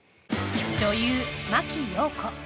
女優・真木よう子。